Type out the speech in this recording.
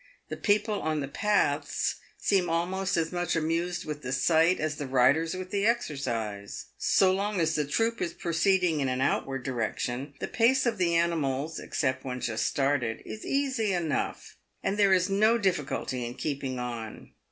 The people on the paths seem almost as much amused with the sight as the riders with the exercise. So long as the troop is proceeding in an outward direction, the pace of the animals — except when just started — is easy enough, and there is no difficulty in keeping on.